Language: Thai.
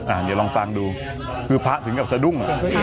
เดี๋ยวลองฟังดูคือพระถึงกับสะดุ้ง